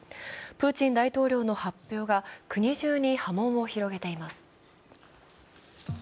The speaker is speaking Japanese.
プーチン大統領の発表が国じゅうに波紋を広げています。